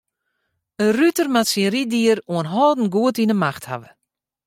In ruter moat syn ryddier oanhâldend goed yn 'e macht hawwe.